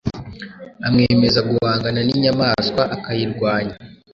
amwemeza guhangana ninyamaswa akayirwanya